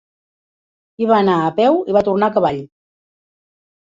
Hi va anar a peu i va tornar a cavall.